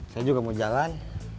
saya juga mau jalan